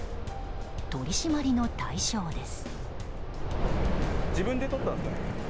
取り締まりの対象です。